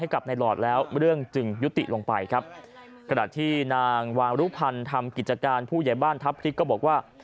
กระดาษที่นางวางรุภัณฑ์ทำกิจการผู้ใหญ่บ้านทัพพริกก็บอกว่า